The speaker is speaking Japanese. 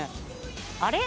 あれ？